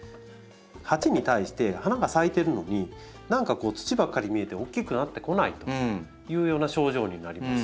鉢に対して花が咲いてるのに何かこう土ばっかり見えて大きくなってこないというような症状になります。